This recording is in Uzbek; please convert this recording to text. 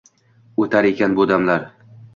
O’tar ekan bu damlar.